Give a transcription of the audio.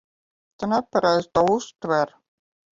Tu nepareizi to uztver.